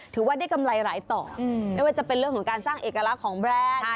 ถือว่าได้กำไรหลายต่อไม่ว่าจะเป็นเรื่องของการสร้างเอกลักษณ์ของแบรนด์